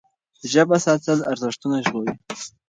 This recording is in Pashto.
ژبه ساتل ارزښتونه ژغوري.